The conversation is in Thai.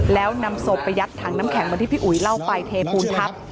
แล้วนำโสปไปยัดทางน้ำแข็งวันที่พี่อุ๋ยเล่าไปเทพูทัพ